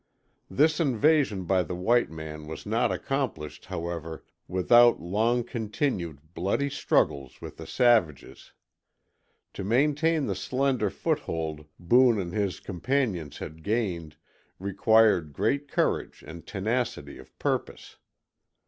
This invasion by the white man was not accomplished, however, without long continued, bloody struggles with the savages. To maintain the slender foothold Boone and his companions had gained, required great courage and tenacity of purpose.